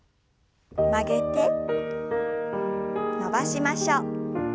曲げて伸ばしましょう。